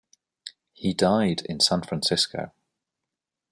He died in San Francisco.